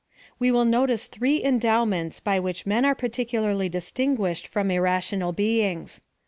We will notice three endowments by which men are particularly distinguished from irrational beings.